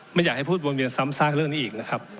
ไม่อยากให้พูดวนเวียนซ้ำซากเรื่องนี้อีกนะครับ